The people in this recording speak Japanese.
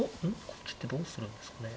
こっちってどうするんですかね。